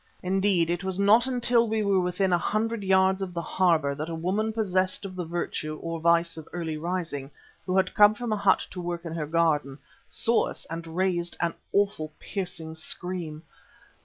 Indeed it was not until we were within a hundred yards of the harbour that a woman possessed of the virtue, or vice, of early rising, who had come from a hut to work in her garden, saw us and raised an awful, piercing scream.